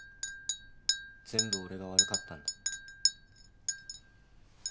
全部俺が悪かったんだ。